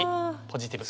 ポジティブ。